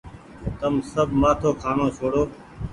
تم سب مآٿو کآڻو ڇوڙو۔